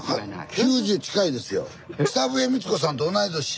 ９０近いですよ。